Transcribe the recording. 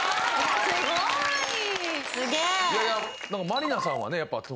満里奈さんは。